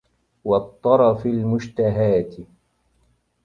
وَالطُّرَفِ الْمُشْتَهَاةِ